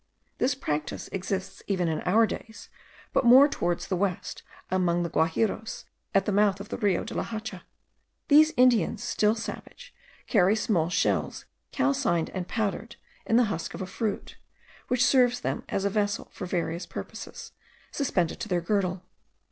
This practice exists even in our days, but more towards the west, among the Guajiros, at the mouth of the Rio de la Hacha. These Indians, still savage, carry small shells, calcined and powdered, in the husk of a fruit, which serves them as a vessel for various purposes, suspended to their girdle.